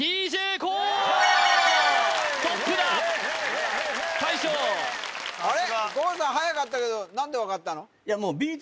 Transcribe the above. ＫＯＯさんはやかったけど何で分かったの？